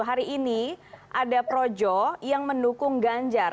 hari ini ada projo yang mendukung ganjar